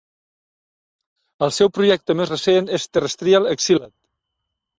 El seu projecte més recent és Terrestrial Exiled.